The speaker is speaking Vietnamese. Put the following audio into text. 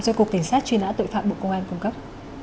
do cục cảnh sát truy nã tội phạm bộ công an cung cấp